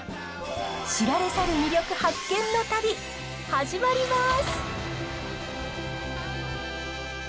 知られざる魅力発見の旅始まります！